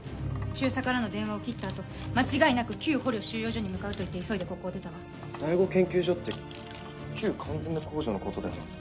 中佐からの電話を切ったあと間違いなく旧捕虜収容所に向かうと言って急いでここを出たわ第五研究所って旧缶詰工場のことだよな？